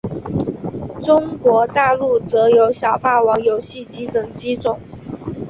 中国大陆则有小霸王游戏机等机种。